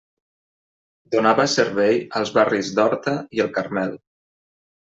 Donava servei als barris d'Horta i el Carmel.